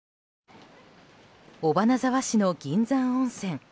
尾花沢市の銀山温泉。